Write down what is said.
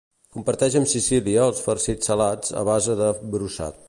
Comparteix amb Sicília els farcits salats a base de brossat.